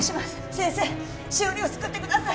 先生汐里を救ってください